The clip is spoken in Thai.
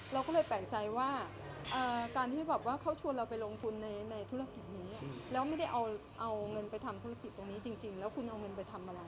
เราก็เลยแปลกใจว่าการที่แบบว่าเขาชวนเราไปลงทุนในธุรกิจนี้แล้วไม่ได้เอาเงินไปทำธุรกิจตรงนี้จริงแล้วคุณเอาเงินไปทำอะไร